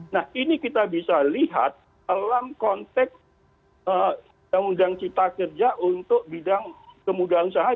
nah ini kita bisa lihat dalam konteks undang undang cipta kerja untuk bidang kemudahan usaha